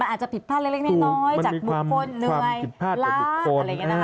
มันอาจจะผิดพลาดเล็กน้อยจากบุคคลหน่วยลากอะไรแบบนี้